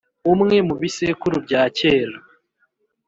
umwe mu bisekuru bya kera